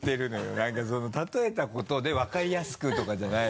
何かその例えたことで分かりやすくとかじゃない。